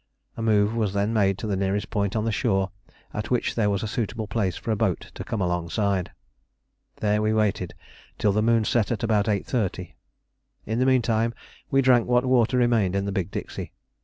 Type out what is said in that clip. A move was then made to the nearest point on the shore at which there was a suitable place for a boat to come alongside. There we waited till the moon set at about 8.30. In the meantime we drank what water remained in the big dixie.